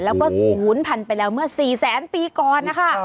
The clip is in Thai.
แล้วก็ศูนย์พันไปแล้วเมื่อ๔แสนปีก่อนนะคะ